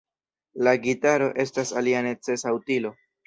La gitaro estas alia necesa utilo.